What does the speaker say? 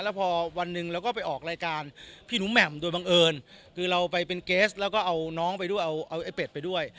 แล้วพอวันหนึ่งเราก็ไปออกรายการพี่หนูแหม่มโดยบังเอิญคือเราไปเป็นเกสแล้วก็เอาน้องไปด้วยเอาไอ้เป็ดไปด้วย